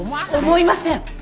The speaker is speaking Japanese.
思いません。